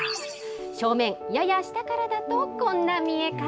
正面、やや下からだとこんな見え方。